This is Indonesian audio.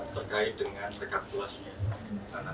terkait dengan penetapan hasil secara nasional